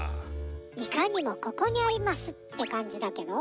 いかにも「ここにあります」ってかんじだけど。